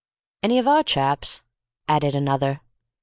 "Any of our chaps?" added another.